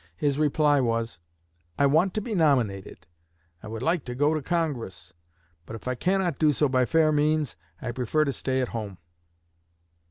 His reply was: 'I want to be nominated; I would like to go to Congress; but if I cannot do so by fair means, I prefer to stay at home.'